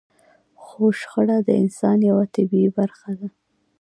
خو شخړه د انسان يوه طبيعي برخه ده.